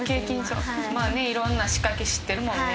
まあね色んな仕掛け知ってるもんね。